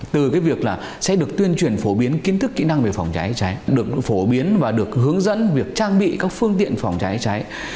từ cái việc là sẽ được tuyên truyền phổ biến kiến thức kỹ năng về phòng cháy cháy được phổ biến và được hướng dẫn việc trang bị các phương tiện phòng cháy cháy